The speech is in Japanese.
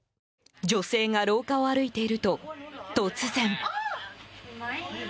女性が廊下を歩いていると突然。